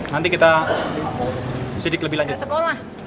nanti kita sidik lebih lanjut sekolah